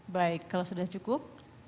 baik kalau sudah cukup